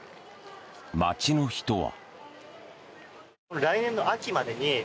街の人は。